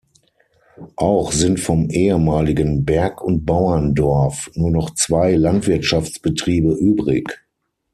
Auch sind vom ehemaligen Berg- und Bauerndorf nur noch zwei Landwirtschaftsbetriebe übrig.